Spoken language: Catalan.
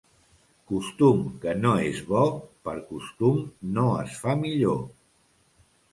Costum que no és bo, per costum no es fa millor.